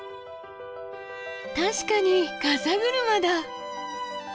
確かに風車だ！